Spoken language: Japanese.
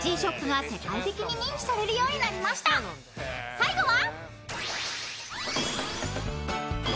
［最後は］